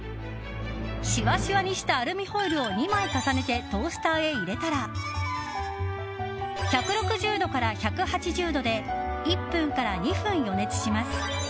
しわしわにしたアルミホイルを２枚重ねてトースターへ入れたら１６０度から１８０度で１分から２分、予熱します。